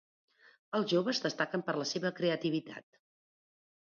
Els joves destaquen per la seva creativitat.